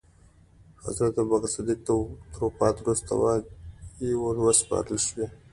حضرت ابوبکر صدیق تر وفات وروسته واګې وروسپارل شوې.